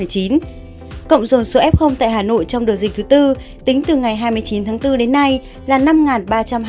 cộng dồn số f tại hà nội trong đợt dịch thứ tư tính từ ngày hai mươi chín tháng bốn đến nay là năm ba trăm hai mươi